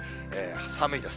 寒いです。